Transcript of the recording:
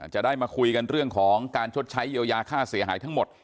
จะได้มาคุยกันเรื่องของการชดใช้เยียวยาค่าเสียหายทั้งหมด